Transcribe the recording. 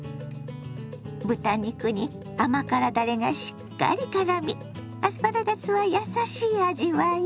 豚肉に甘辛だれがしっかりからみアスパラガスはやさしい味わい。